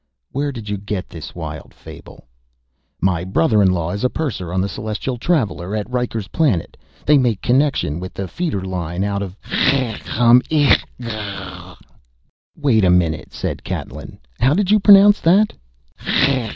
"Where did you get this wild fable?" "My brother in law is purser on the Celestial Traveller. At Riker's Planet they make connection with the feeder line out of Cirgamesç." "Wait a minute," said Catlin. "How did you pronounce that?"